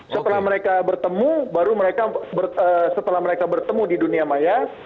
setelah mereka bertemu baru mereka setelah mereka bertemu di dunia maya